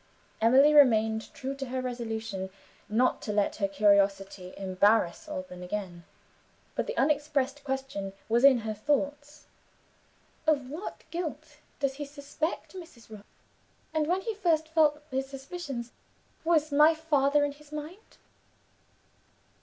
Emily remained true to her resolution not to let her curiosity embarrass Alban again. But the unexpressed question was in her thoughts "Of what guilt does he suspect Mrs. Rook? And, when he first felt his suspicions, was my father in his mind?"